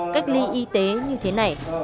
cách ly y tế như thế này